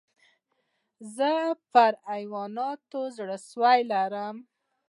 زه پر حیواناتو زړه سوى لرم.